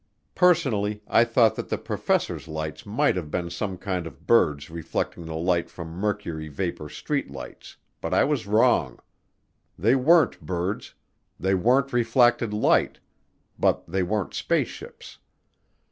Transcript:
Personally I thought that the professors' lights might have been some kind of birds reflecting the light from mercury vapor street lights, but I was wrong. They weren't birds, they weren't refracted light, but they weren't spaceships.